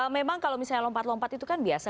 memang kalau misalnya lompat lompat itu kan biasa